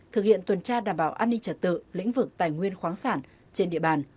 thực hiện tuần tra đảm bảo an ninh trật tự lĩnh vực tài nguyên khoáng sản trên địa bàn